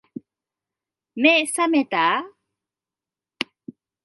目、さめた？